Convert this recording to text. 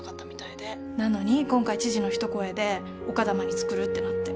なのに今回知事の一声で丘珠に作るってなって。